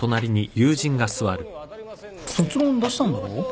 卒論出したんだろ？